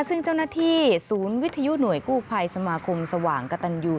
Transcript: ซึ่งเจ้าหน้าที่ศูนย์วิทยุหน่วยกู้ภัยสมาคมสว่างกระตันยู